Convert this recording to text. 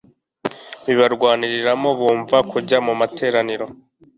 bibarwaniramo, bumva kujya mu materaniro